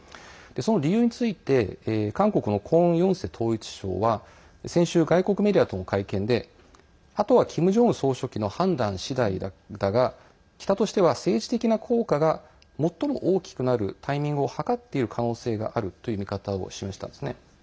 その理由について韓国のクォン・ヨンセ統一相は先週、外国メディアとの会見であとはキム・ジョンウン総書記の判断しだいだが北としては政治的な効果が最も大きくなるタイミングを計っている可能性があるという見方を示したんですね。